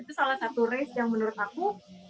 itu salah satu race yang menurut aku